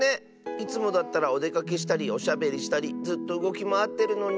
いつもだったらおでかけしたりおしゃべりしたりずっとうごきまわってるのに。